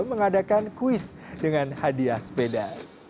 mengadakan kuis dengan hadiah sepeda